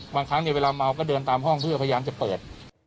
บางครั้งเวลาเมาก็เดินตามห้องเพื่อพยายามจะเปิด